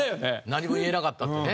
何も言えなかったっていうね。